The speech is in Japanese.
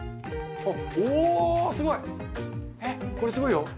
おすごい！